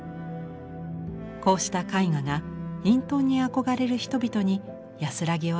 こうした絵画が隠遁に憧れる人々に安らぎを与えました。